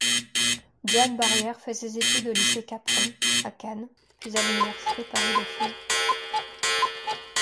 Diane Barrière fait ses études au lycée Capron, à Cannes, puis à l'université Paris-Dauphine.